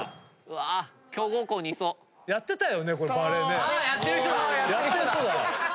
やってる人だ！